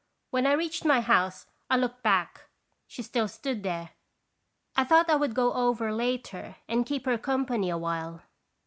When I reached my house I looked back; she still stood there. I thought I would go over later and keep her company a while.